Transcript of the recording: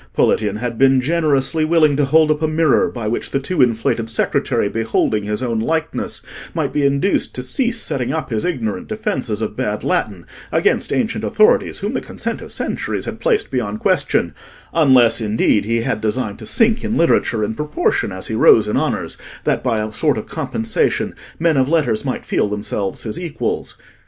Politian had been generously willing to hold up a mirror, by which the too inflated secretary, beholding his own likeness, might be induced to cease setting up his ignorant defences of bad Latin against ancient authorities whom the consent of centuries had placed beyond question,—unless, indeed, he had designed to sink in literature in proportion as he rose in honours, that by a sort of compensation men of letters might feel themselves his equals.